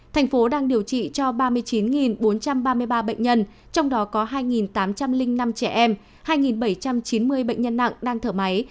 thành phố đang điều trị cho ba mươi chín bốn trăm ba mươi ba bệnh nhân trong đó có hai tám trăm linh năm trẻ em hai bảy trăm chín mươi bệnh nhân nặng đang thở máy